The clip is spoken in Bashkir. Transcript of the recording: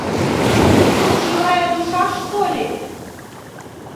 Тут живая душа что-ли?